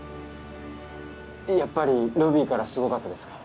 やっぱりロビーからすごかったですか？